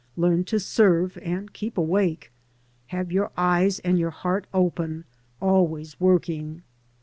Learn to serve and keep awake. Have your eyes and your heart open, always working.